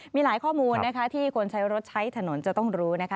มีหลายข้อมูลที่คนใช้โรศัยน้องน้อยจะต้องรู้นะคะ